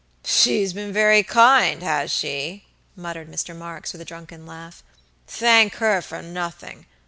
"She's been very kind, has she?" muttered Mr. Marks, with a drunken laugh; "thank her for nothing.